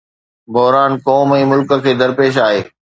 بحران قوم ۽ ملڪ کي درپيش آهي.